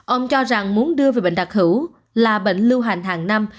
ông cho rằng muốn đưa về bệnh đặc hữu là bệnh lưu hành hàng năm